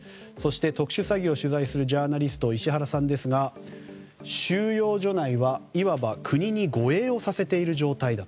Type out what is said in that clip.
特殊詐欺を取材するジャーナリスト石原さんですが収容所内はいわば国に護衛をさせている状態だと。